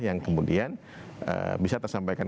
yang kemudian bisa tersampaikan